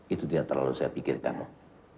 itu tidak terlalu saya pikirkan om